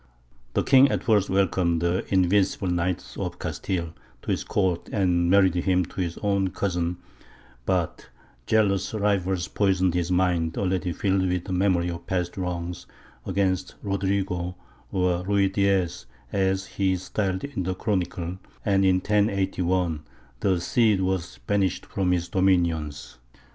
The king at first welcomed the invincible knight of Castile to his court, and married him to his own cousin; but jealous rivals poisoned his mind, already filled with the memory of past wrongs, against Rodrigo (or Ruy Diez, as he is styled in the Chronicle), and in 1081 the Cid was banished from his dominions.